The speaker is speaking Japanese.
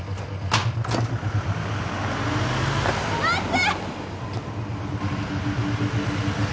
・待って！